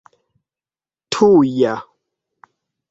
tuja